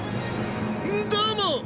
どうも！